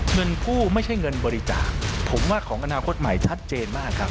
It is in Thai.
เงินกู้ไม่ใช่เงินบริจาคผมว่าของอนาคตใหม่ชัดเจนมากครับ